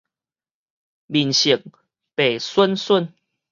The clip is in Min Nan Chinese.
面色白恂恂